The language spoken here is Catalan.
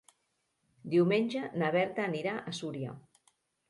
Diumenge na Berta anirà a Súria.